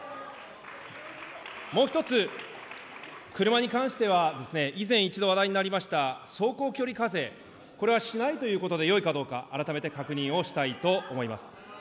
もう一つ、車に関しては以前一度話題になりました、走行距離課税、これはしないということでよいかどうか、改めて確認をしたいと思います。